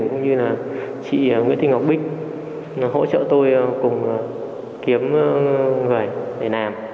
cũng như là chị nguyễn thị ngọc bích hỗ trợ tôi cùng kiếm người để làm